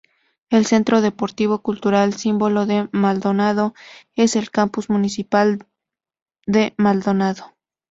El centro deportivo cultural, símbolo de Maldonado, es el Campus Municipal de Maldonado.